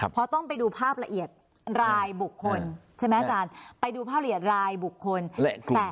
พอต้องไปดูภาพละเอียดรายบุคคลไปดูภาพละเอียดรายบุคคล